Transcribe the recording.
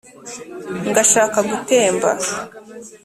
Ngashaka gutemba